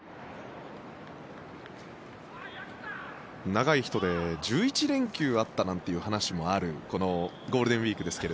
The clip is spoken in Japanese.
長い人で１１連休あったなんていう話もあるこのゴールデンウィークですが。